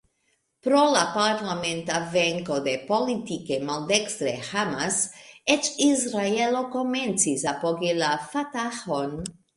Pro la parlamenta venko de politike maldekstre Hamas, eĉ Israelo komencis apogi la Fatah-on.